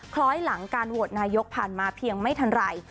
คล้อยหลังการโหวตนายกผ่านมาเพียงไม่ทันไร